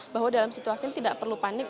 bahwa dalam situasi ini tidak perlu panik